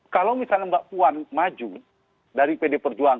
kalau misalnya pak puan maju dari pdip